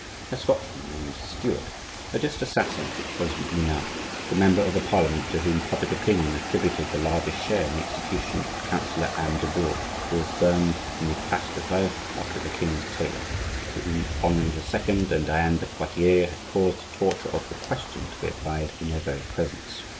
A Scotchman named Stuart had just assassinated President Minard, the member of the Parliament to whom public opinion attributed the largest share in the execution of Councillor Anne du Bourg; who was burned on the place de Greve after the king's tailor—to whom Henri II. and Diane de Poitiers had caused the torture of the "question" to be applied in their very presence.